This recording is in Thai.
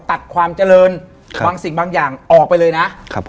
ตัดความเจริญบางสิ่งบางอย่างออกไปเลยนะครับ